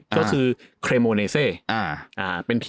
ก็คือเครมโมเนเซเป็นทีมที่